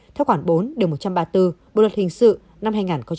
theo khoản bốn điều một trăm ba mươi bốn bộ luật hình sự năm hai nghìn một mươi năm